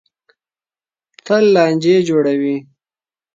تل لانجې جوړوي.